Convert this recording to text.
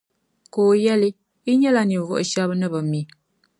Ka o yεli, Yi nyɛla ninvuɣu shεba n ni bi mi.”